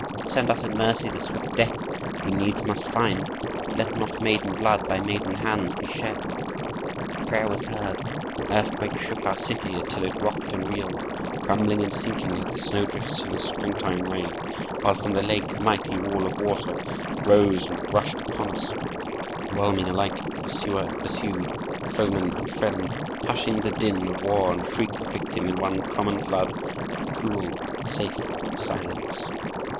Send us in mercy the swift death we needs must find, but let not maiden blood by maiden hands be shed!' "The prayer was heard. An earthquake shook our city, until it rocked and reeled, crumbling and sinking like the snow drifts in a springtime rain; while from the lake a mighty wall of water rose and rushed upon us, whelming alike pursuer and pursued, foeman and friend; hushing the din of war and shriek of victim in one common flood of cool, safe silence.